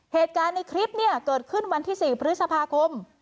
เหตุการณ์ในคลิปเนี่ยเกิดขึ้นวันที่๔พฤษภาคม